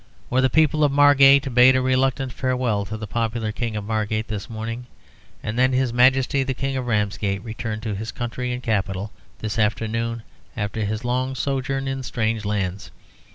Or, "The people of Margate bade a reluctant farewell to the popular King of Margate this morning," and then, "His Majesty the King of Ramsgate returned to his country and capital this afternoon after his long sojourn in strange lands."